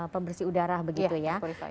pembersih udara begitu ya